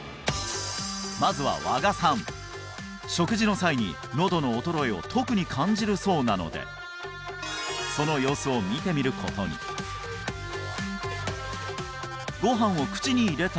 まずは和賀さん食事の際にのどの衰えを特に感じるそうなのでその様子を見てみることにご飯を口に入れた